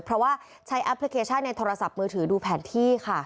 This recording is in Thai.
เพราะว่าใช้แอปพลิเคชันในโทรศัพท์มือถือดูแผนที่ค่ะ